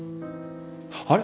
あれ？